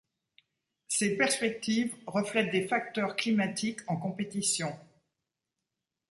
Ces perspectives reflètent des facteurs climatiques en compétition.